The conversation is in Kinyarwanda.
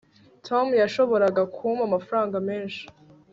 tom yashoboraga kumpa amafaranga menshi